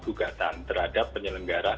gugatan terhadap penyelenggaraan